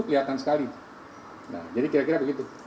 kelihatan sekali nah jadi kira kira begitu